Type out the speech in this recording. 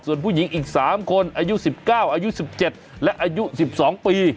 ส่วนผู้หญิงอีก๓คนอายุ๑๙อายุ๑๗และอายุ๑๒ปี